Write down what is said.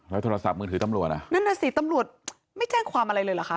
โทรศัพท์มือถือตำรวจอ่ะนั่นน่ะสิตำรวจไม่แจ้งความอะไรเลยเหรอคะ